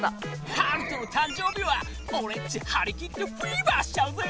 ハルトの誕生日はおれっちはりきってフィーバーしちゃうぜ！